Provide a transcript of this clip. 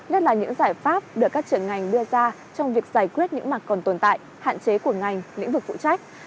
nhất là những giải pháp được các trưởng ngành đưa ra trong việc giải quyết những mặt còn tồn tại hạn chế của ngành lĩnh vực phụ trách